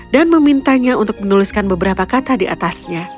dan memintanya untuk menuliskan beberapa kata di atasnya